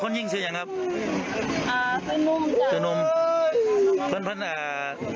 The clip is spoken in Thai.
คนยิงชื่อยังครับอ่าเป็นนุ่มเป็นนุ่มพันธุ์อ่า